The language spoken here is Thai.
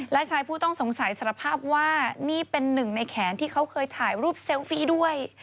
และชายผู้ต้องสงสัยสารภาพว่านี่เป็นหนึ่งในแขนที่เขาเคยถ่ายรูปเซลฟี่ด้วย